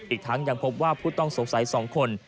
อีกทั้งยังพบว่าผู้ต้องสงสัย๒คน